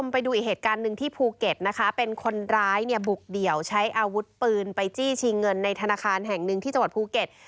ไปดูอีกเหตุการณ์หนึ่งที่ภูเก็ตนะคะเป็นคนร้ายเนี่ยบุกเดี่ยวใช้อาวุธปืนไปจี้ชิงเงินในธนาคารแห่งหนึ่งที่จังหวัดภูเก็ต